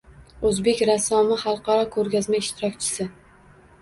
Oʻzbek rassomi xalqaro koʻrgazma ishtirokchisi